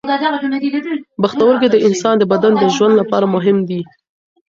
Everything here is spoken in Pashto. پښتورګي د انسان د بدن د ژوند لپاره مهم دي.